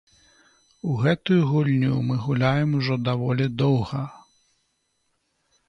У гэтую гульню мы гуляем ужо даволі доўга.